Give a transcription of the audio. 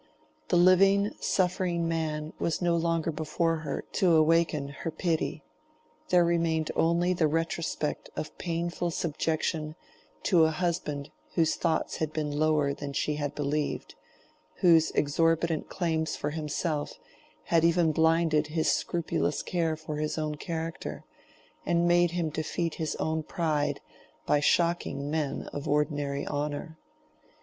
The living, suffering man was no longer before her to awaken her pity: there remained only the retrospect of painful subjection to a husband whose thoughts had been lower than she had believed, whose exorbitant claims for himself had even blinded his scrupulous care for his own character, and made him defeat his own pride by shocking men of ordinary honor.